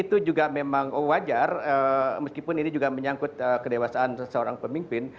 itu juga memang wajar meskipun ini juga menyangkut kedewasaan seorang pemimpin